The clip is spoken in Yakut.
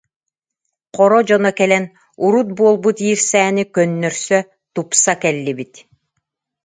Хоро дьоно кэлэн: «Урут буолбут иирсээни көннөрсө, тупса кэллибит